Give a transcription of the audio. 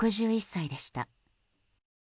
６１歳でした。